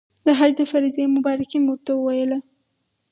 د حج د فرضې مبارکي مو ورته وویله.